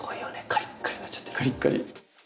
カリッカリ。